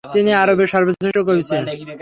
তিনি আরবের সর্বশ্রেষ্ঠ কবি ছিলেন।